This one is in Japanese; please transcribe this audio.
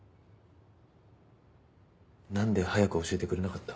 なんで早く教えてくれなかった？